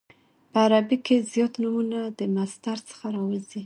په عربي کښي زیات نومونه د مصدر څخه راوځي.